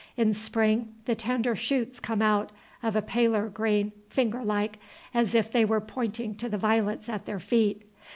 In spring the tender shoots come out of a paler green, finger like, as if they were pointing to the violets at their feet.